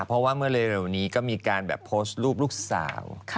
เพราะว่าเมื่อเร็วนี้ก็มีการแบบโพสต์รูปลูกสาว